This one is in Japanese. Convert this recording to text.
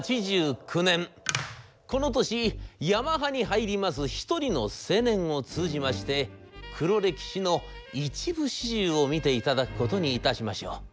「この年ヤマハに入ります一人の青年を通じまして黒歴史の一部始終を見て頂くことにいたしましょう。